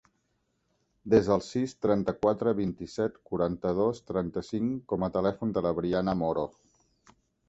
Desa el sis, trenta-quatre, vint-i-set, quaranta-dos, trenta-cinc com a telèfon de la Briana Moro.